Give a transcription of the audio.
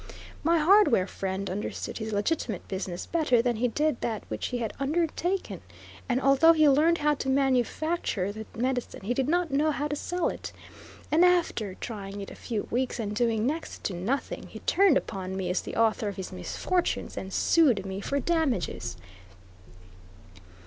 My hardware friend understood his legitimate business better than he did that which he had undertaken, and although be learned how to manufacture the medicine he did not know how to sell it; and after trying it a few weeks, and doing next to nothing, he turned upon me as the author of his misfortunes and sued me for damages.